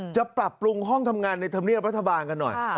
ปรับปรุงห้องทำงานในธรรมเนียบรัฐบาลกันหน่อย